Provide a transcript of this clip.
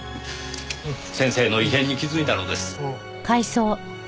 先生の異変に気づいたのです。